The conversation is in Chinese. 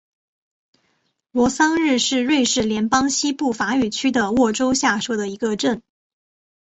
罗桑日是瑞士联邦西部法语区的沃州下设的一个镇。